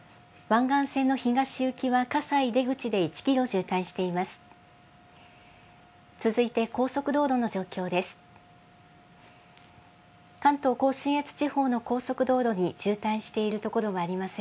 湾岸線の東行きは葛西出口で１キロ渋滞しています。